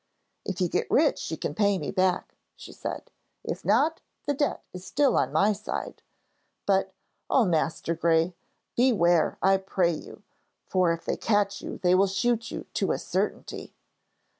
'If you get rich, you can pay me back,' she said; 'if not, the debt is still on my side. But, oh, Master Gray, beware, I pray you! for if they catch you, they will shoot you, to a certainty.'